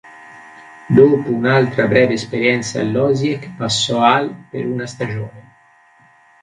Dopo un'altra breve esperienza all'Osijek passò al per una stagione.